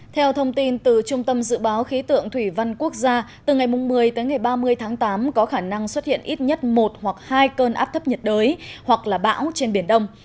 theo thông tin từ trung tâm dự báo khí tượng thủy văn quốc gia từ ngày một mươi tới ngày ba mươi tháng tám có khả năng xuất hiện ít nhất một hoặc hai cơn áp thấp nhiệt đới hoặc là bão trên biển đông